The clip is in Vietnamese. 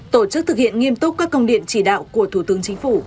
tổ chức thực hiện nghiêm túc các công điện chỉ đạo của thủ tướng chính phủ